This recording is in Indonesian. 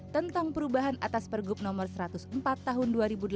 tentang perubahan atas pergub no satu ratus empat tahun dua ribu delapan belas